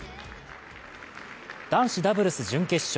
男子ダブルス準決勝。